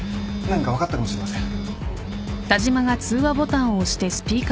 何か分かったかもしれません。